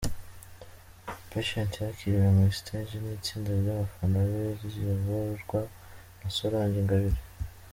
Patient yakiriwe kuri stage n'itsinda ry'abafana be riyoborwa na Solange Ingabire.